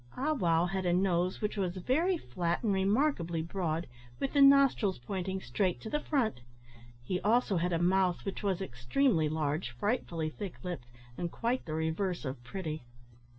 Ah wow had a nose which was very flat and remarkably broad, with the nostrils pointing straight to the front. He also had a mouth which was extremely large, frightfully thick lipped, and quite the reverse of pretty.